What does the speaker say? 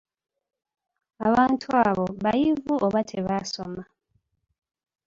Abantu abo, bayivu oba tebaasoma?